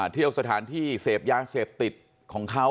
เที่ยวสถานที่เสพยาเสพติดของเขา